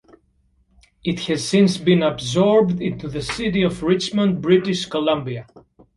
It has since been absorbed into the city of Richmond, British Columbia.